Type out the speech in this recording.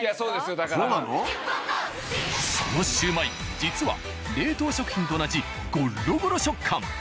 そのシュウマイ実は冷凍食品と同じゴロゴロ食感。